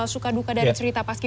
suka duka dari cerita paski